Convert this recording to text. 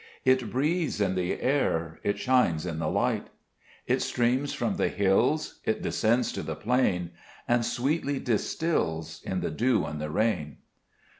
It breathes in the air ; it shines in the light ; It streams from the hills ; it descends to the plain ; And sweetly distils in the dew and the rain.